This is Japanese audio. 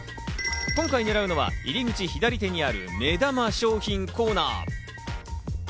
今回、狙うのは入り口左手にある目玉商品コーナー。